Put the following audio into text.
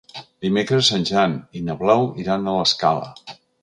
Dimecres en Jan i na Blau iran a l'Escala.